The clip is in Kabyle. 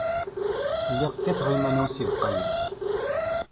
Lliɣ kkateɣ iman-inu s yibeqqayen.